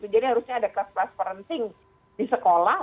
jadi harusnya ada kelas kelas parenting di sekolah